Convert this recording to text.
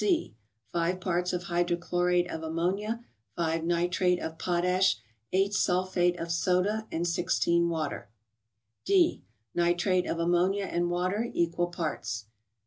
C. —Five parts hydrochlorate of ammonia, 5 nitrate of potash, 8 sulphate of soda, and 16 water. D. — Nitrate of ammonia and water, equal parts.